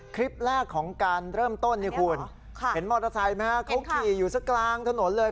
คลิปแรกของการเริ่มต้นนี่คุณเห็นมอเตอร์ไซค์ไหมฮะเขาขี่อยู่สักกลางถนนเลย